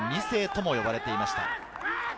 ２世とも呼ばれていました。